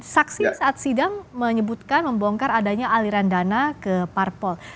saksi saat sidang menyebutkan membongkar adanya aliran dana ke parpol